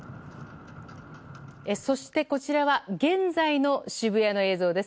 そして、こちらは現在の渋谷の映像です。